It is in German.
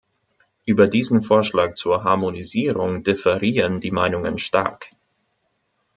Über diesen Vorschlag zur Harmonisierung differieren die Meinungen stark.